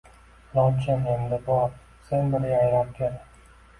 Lochin endi bor sen bir yayrab kel